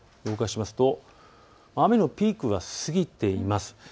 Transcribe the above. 動かしますと雨のピークは過ぎています。